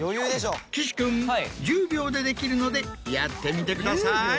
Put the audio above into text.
岸君１０秒でできるのでやってみてください。